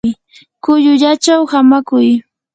kullullachaw hamakuy.